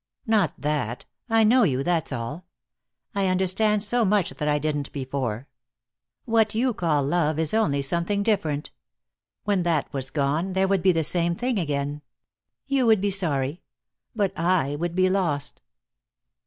"Not that. I know you, that's all. I understand so much that I didn't before. What you call love is only something different. When that was gone there would be the same thing again. You would be sorry, but I would be lost."